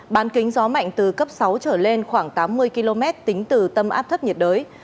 bán kính gió mạnh từ cấp sáu trở lên khoảng tám mươi km tính từ tâm áp thấp nhiệt đới